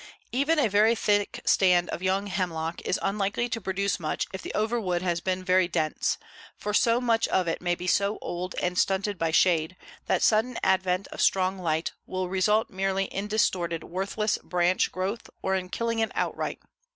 Even a very thick stand of young hemlock is unlikely to produce much if the overwood has been very dense, for much of it may be so old and stunted by shade that sudden advent of strong light will result merely in distorted worthless branch growth or in killing it outright.